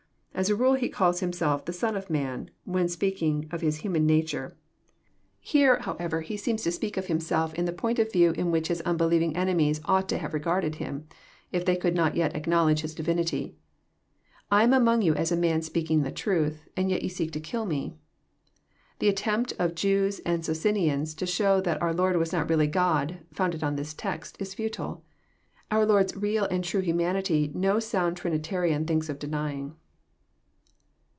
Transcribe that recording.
As a rule. He calls Himself " the Son of man," when speaking of His human nature. Here, however, He seems to speak of JOHN, CHAP, vin, 115 filmself In the point cf view in which His unbelieving enemies ought to have regarded Him, if they could not yet acknowledge His divinity. '* I am among you a man speaking the truth : and yet ye seek to kill Me," — The attempt of Jews and Socinians to show that our Lord was not really God, founded on this text, is fbtile. Our Lord's real and true humanity no sound Trini tarian thinks of denying.